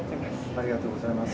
ありがとうございます。